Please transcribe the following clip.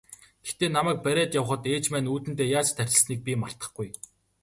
Гэхдээ намайг бариад явахад ээж маань үүдэндээ яаж тарчилсныг би мартахгүй.